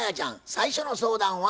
最初の相談は？